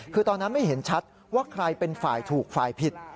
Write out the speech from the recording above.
คือตอนนั้นไม่เห็นชัดว่าใครเป็นฝ่ายถูกฝ่ายผิด